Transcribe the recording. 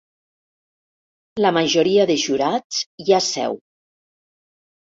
La majoria de jurats ja seu.